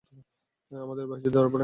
আমাদের ভাই যদি ধরা পড়ে!